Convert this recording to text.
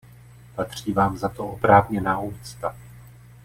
Patří Vám za to oprávněná úcta.